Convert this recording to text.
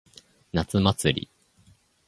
夏祭り。